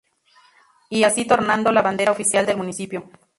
Y así tornando la bandera Oficial del municipio.